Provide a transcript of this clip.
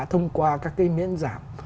thông qua các cái miễn giảm